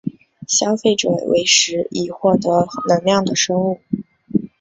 消费者为食以获得能量的生物。